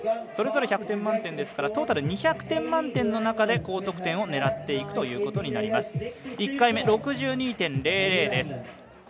それぞれ１００点満点ですからトータル２００点満点の中で高得点を狙っていくということになります。